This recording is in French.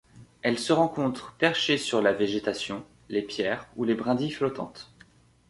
Elle se rencontre perchée sur la végétation, les pierres ou les brindilles flottantes.